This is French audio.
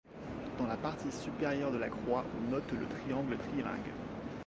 Dans la partie supérieure de la croix on note le triangle trilingue.